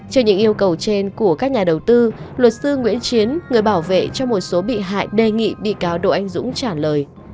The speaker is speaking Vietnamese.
trên những yêu cầu trên của các nhà đầu tư luật sư nguyễn chiến người bảo vệ cho một số bị hại đề nghị bị cáo độ anh dũng trả lời